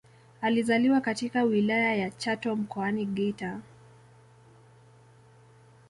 Alizaliwa katika Wilaya ya Chato Mkoani Geita